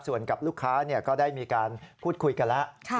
ส่วนกับลูกค้าก็ได้มีการพูดคุยกันแล้ว